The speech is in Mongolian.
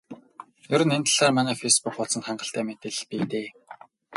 Ер нь энэ талаар манай фейсбүүк хуудсанд хангалттай мэдээлэл бий дээ.